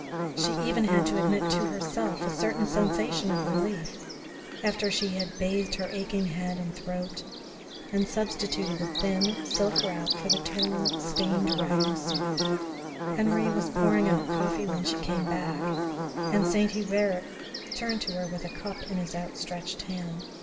She even had to admit to herself a certain sensation of relief after she had bathed her aching head and throat, and substituted a thin, silk wrap for the torn, stained riding suit. Henri was pouring out coffee when she came back, and Saint Hubert turned to her with a cup in his outstretched hand.